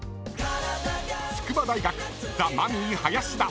［筑波大学ザ・マミィ林田］